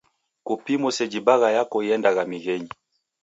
Kupimo seji bagha yako iendagha mighenyi.